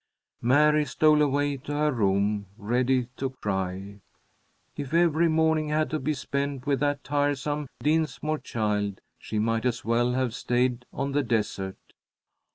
Mary stole away to her room, ready to cry. If every morning had to be spent with that tiresome Dinsmore child, she might as well have stayed on the desert.